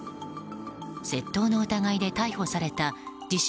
窃盗の疑いで逮捕された自称